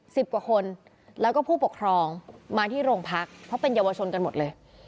สิบกว่าคนแล้วก็ผู้ปกครองมาที่โรงพักเพราะเป็นเยาวชนกันหมดเลย